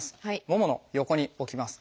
ももの横に置きます。